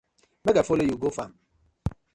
Mek I follo you go fam.